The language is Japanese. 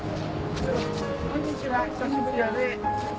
こんにちは。